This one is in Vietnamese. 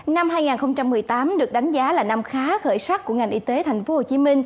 năm hai nghìn một mươi tám được đánh giá là năm khá khởi sắc của ngành y tế tp hcm